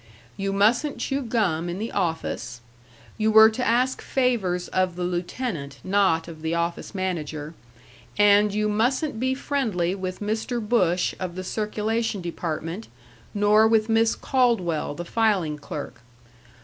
You mustn't chew gum in the office; you were to ask favors of the lieutenant, not of the office manager; and you mustn't be friendly with Mr. Bush of the circulation department, nor with Miss Caldwell, the filing clerk.